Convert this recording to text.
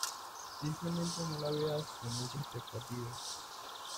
Simplemente no la veas con muchas expectativas".